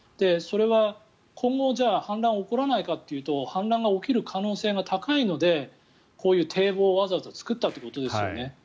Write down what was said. それは今後氾濫が起こらないかというと氾濫が起きる可能性が高いのでこういう堤防をわざわざ作ったということですよね。